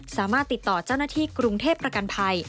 สามารถติดต่อเจ้าหน้าที่กรุงเทพประกันภัย